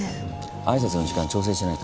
挨拶の時間調整しないと。